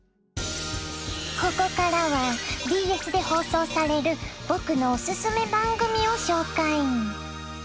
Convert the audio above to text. ここからはＢＳで放送される僕のオススメ番組を紹介。